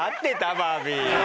バービー。